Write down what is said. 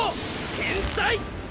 天才！